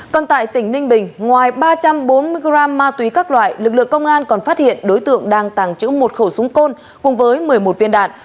còn tại tỉnh ninh bình ngoài ba trăm bốn mươi g ma túy các loại lực lượng công an còn phát hiện đối tượng đang tàng trữ một khẩu súng côn cùng với một mươi một viên đạn